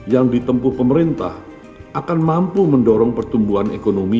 yang ditempuh pemerintah akan mampu mendorong pertumbuhan ekonomi